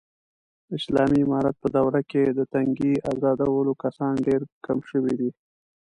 د اسالامي امارت په دوره کې، د تنگې ازادولو کسان ډېر کم شوي دي.